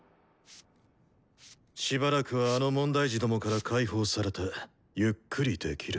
しばらくはあの問題児どもから解放されてゆっくりできる。